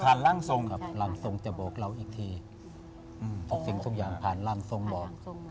ผ่านล่างทรงเขาบอกสิ่งอะไรผ่านล่างทรงบอก